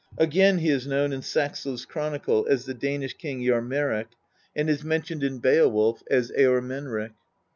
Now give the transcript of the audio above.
Again he is known in Saxo's chronicle as the Danish king, Jarmeric, and is mentioned in Beowulf INTRODUCTION. LIX as Eormenric.